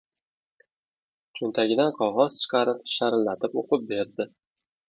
Cho‘ntagidan qog‘oz chiqarib sharillatib o‘qib berdi.